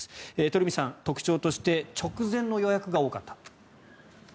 鳥海さん、特徴として直前の予約が多かった。